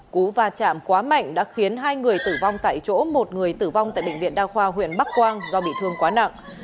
cú va chạm quá mạnh đã khiến hai người tử vong tại chỗ một người tử vong tại bệnh viện đa khoa huyện bắc quang do bị thương quá nặng